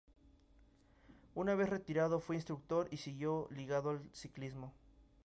Una vez retirado fue instructor y siguió ligado al ciclismo.